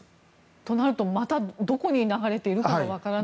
となると、またどこに流れているかが分からない。